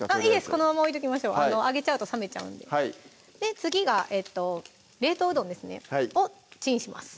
このまま置いときましょうあげちゃうと冷めちゃうんでで次が冷凍うどんですねをチンします